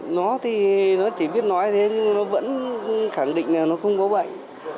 nó thì nó chỉ biết nói thế nhưng nó vẫn khẳng định là nó không có bệnh